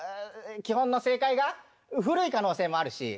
基本の正解が古い可能性もあるし。